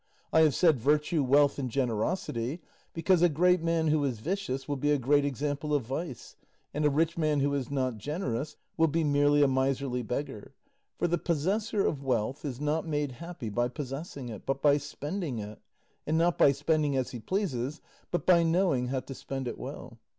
I have said virtue, wealth, and generosity, because a great man who is vicious will be a great example of vice, and a rich man who is not generous will be merely a miserly beggar; for the possessor of wealth is not made happy by possessing it, but by spending it, and not by spending as he pleases, but by knowing how to spend it well.